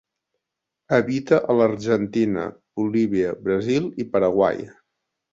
Habita a l'Argentina, Bolívia, Brasil i Paraguai.